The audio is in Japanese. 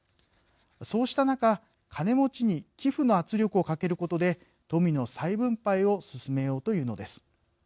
そうした中、金持ちに寄付の圧力をかけることで富の再分配を進めようというのです。